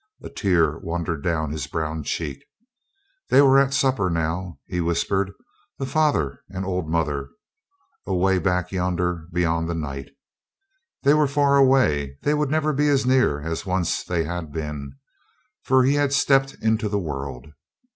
A tear wandered down his brown cheek. They were at supper now, he whispered the father and old mother, away back yonder beyond the night. They were far away; they would never be as near as once they had been, for he had stepped into the world.